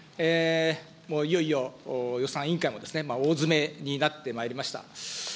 もういよいよ予算委員会もですね、大詰めになってまいりました。